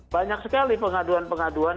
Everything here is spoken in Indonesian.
banyak sekali pengaduan pengaduan